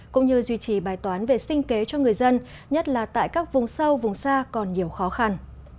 cũng như duy trì bài toán về sinh kế cho người dân nhất là tại các vùng sâu vùng xa còn nhiều khó khăn